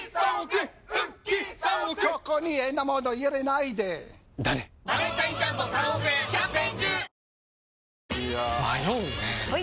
いや迷うねはい！